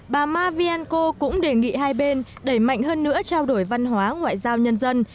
bà ma vienco cũng đề nghị hai bên đẩy mạnh hơn nữa trao đổi văn hóa ngoại giao nhân dân